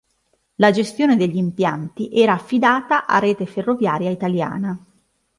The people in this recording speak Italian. La gestione degli impianti era affidata a Rete Ferroviaria Italiana.